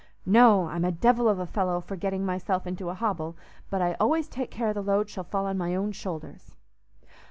"No! I'm a devil of a fellow for getting myself into a hobble, but I always take care the load shall fall on my own shoulders."